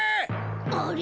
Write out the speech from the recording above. あれ？